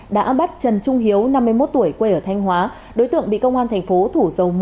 đã bắt trần trung hiếu năm mươi một tuổi quê ở thanh hóa đối tượng bị công an thành phố thủ dầu một